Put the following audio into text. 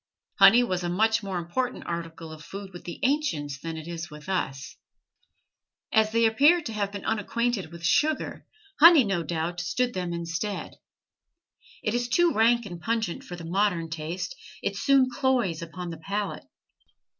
Honey was a much more important article of food with the ancients than it is with us. As they appear to have been unacquainted with sugar, honey, no doubt, stood them instead. It is too rank and pungent for the modern taste; it soon cloys upon the palate.